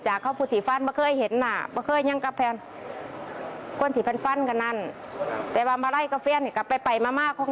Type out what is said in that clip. จะเข้าผู้สีฟันก็เคยเห็นน่ะเคยยังก็แผ่นคนที่เพ้นฟันแบบนั้น